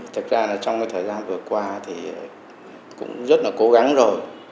thực ra là trong cái thời gian vừa qua thì cũng rất là cố gắng rồi